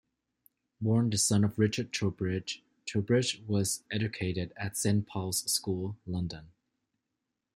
Born the son of Richard Troubridge, Troubridge was educated at Saint Paul's School, London.